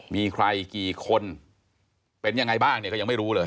มีใครกี่คนเป็นยังไงบ้างเนี่ยก็ยังไม่รู้เลย